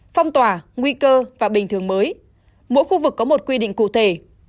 phong tỏa nguy cơ và bình thường mới mỗi khu vực có một quy định cụ thể